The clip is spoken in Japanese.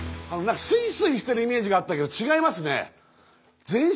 スイスイしてるイメージがあったけど違いますね。